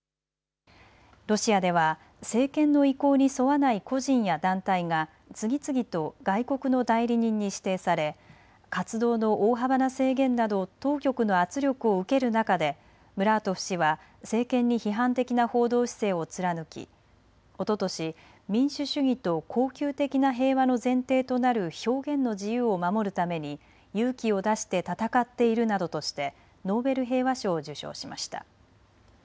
ロシアでは政権の意向に沿わない個人や団体が次々と外国の代理人に指定され活動の大幅な制限など当局の圧力を受ける中でムラートフ氏は政権に批判的な報道姿勢を貫きおととし、民主主義と恒久的な平和の前提となる表現の自由を守るために勇気を出して闘っているなどとしてノーベル平和賞を受賞しました。